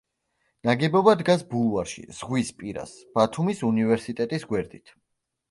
ნაგებობა დგას ბულვარში, ზღვის პირას, ბათუმის უნივერსიტეტის გვერდით.